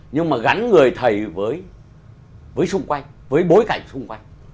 nhưng mà gắn người thầy với xung quanh với bối cảnh xung quanh